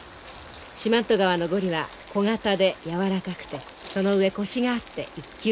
四万十川のゴリは小型でやわらかくてその上コシがあって一級品。